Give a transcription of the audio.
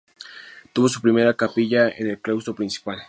Tuvo su primera capilla en el claustro principal.